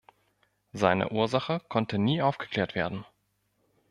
Seine Ursache konnte nie aufgeklärt werden.